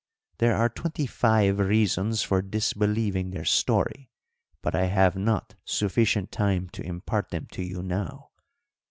There are twenty five reasons for disbelieving their story, but I have not sufficient time to impart them to you now.